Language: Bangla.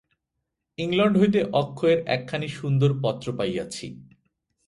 ইংলণ্ড হইতে অক্ষয়ের একখানি সুন্দর পত্র পাইয়াছি।